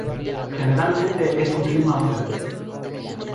Generalmente es un clima húmedo.